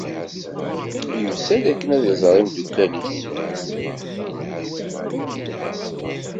Yusa-d akken ad iẓer imdukal-is.